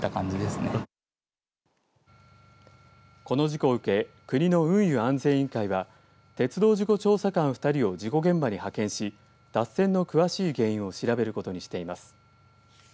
この事故を受け国の運輸安全委員会は鉄道事故調査官２人を事故現場に派遣し脱線の詳しい原因を調べることにしています。